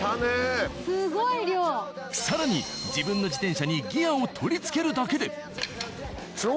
更に、自分の自転車にギアを取り付けるだけで。